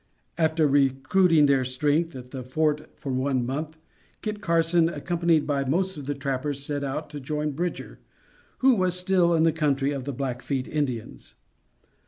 After recruiting their strength at the Fort for one month, Kit Carson, accompanied by most of the trappers, set out to join Bridger, who was still in the country of the Blackfeet Indians.